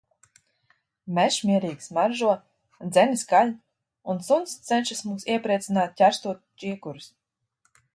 Mežs mierīgi smaržo, dzenis kaļ, un suns cenšas mūs iepriecināt, ķerstot čiekurus.